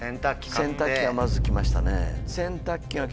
洗濯機がまず来ましたね。